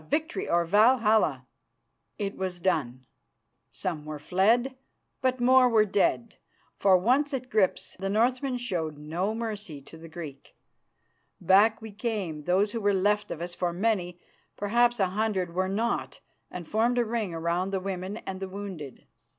Victory or Valhalla!_" It was done. Some were fled, but more were dead, for, once at grips, the Northman showed no mercy to the Greek. Back we came, those who were left of us, for many, perhaps a hundred, were not, and formed a ring round the women and the wounded.